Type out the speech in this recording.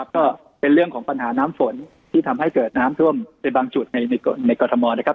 ก็เป็นเรื่องของปัญหาน้ำฝนที่ทำให้เกิดน้ำท่วมในบางจุดในกรทมนะครับ